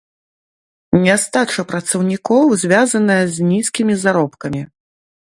Нястача працаўнікоў звязаная з нізкімі заробкамі.